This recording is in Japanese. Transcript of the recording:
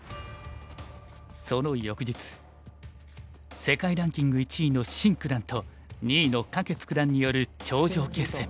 その翌日世界ランキング１位のシン九段と２位の柯潔九段による頂上決戦。